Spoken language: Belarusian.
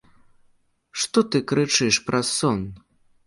Што ты крычыш праз сон?